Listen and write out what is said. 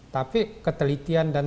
tapi ketelitian dan